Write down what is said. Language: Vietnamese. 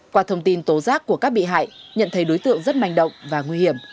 qua thông tin tố giác của các bị hại nhận thấy đối tượng rất manh động và nguy hiểm